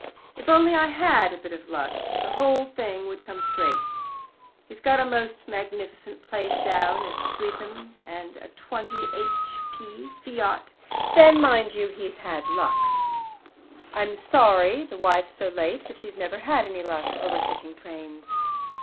"If only I had a bit of luck, the whole thing would come straight. ... He's got a most magnificent place down at Streatham and a 20 h. p. Fiat, but then, mind you, he's had luck. ... I'm sorry the wife's so late, but she never has any luck over catching trains."